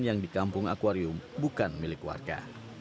yang di kampung akwarium bukan milik warga